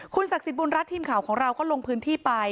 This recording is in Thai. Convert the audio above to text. ศักดิ์สิทธิบุญรัฐทีมข่าวของเราก็ลงพื้นที่ไป